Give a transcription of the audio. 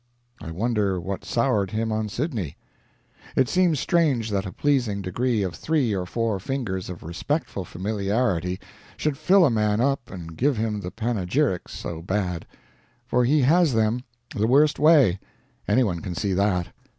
I wonder what soured him on Sydney. It seems strange that a pleasing degree of three or four fingers of respectful familiarity should fill a man up and give him the panegyrics so bad. For he has them, the worst way any one can see that.